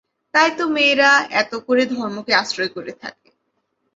তাই তো মেয়েরা এত করে ধর্মকে আশ্রয় করে থাকে।